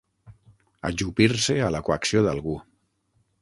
Ajupir-se a la coacció d'algú.